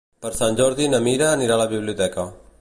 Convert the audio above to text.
Per Sant Jordi na Mira anirà a la biblioteca.